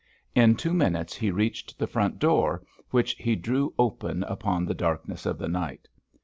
In two minutes he reached the front door, which he drew open upon the darkness of the night.